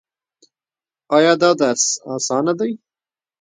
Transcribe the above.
ایا دا درس اسانه دی؟